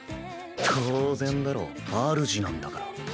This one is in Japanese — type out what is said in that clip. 当然だろ主なんだから。